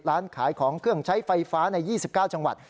ร้านขายของเครื่องใช้ไฟฟ้าใน๒๙จังหวัด